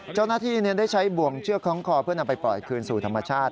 เจ้าหน้าที่ได้ใช้บ่วงเชือกคล้องคอเพื่อนำไปปล่อยคืนสู่ธรรมชาติ